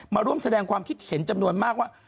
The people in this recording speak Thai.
มาร่วมแสดงความคิดเห็นจำนวนมากว่า